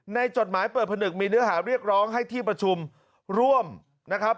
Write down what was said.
จดหมายเปิดผนึกมีเนื้อหาเรียกร้องให้ที่ประชุมร่วมนะครับ